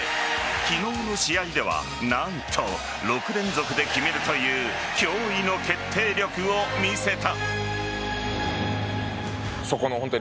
昨日の試合では何と、６連続で決めるという驚異の決定力を見せた。